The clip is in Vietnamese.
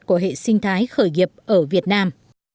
của hệ sinh thái khởi nghiệp ở việt nam